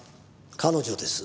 彼女です。